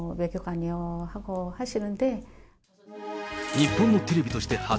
日本のテレビとして初。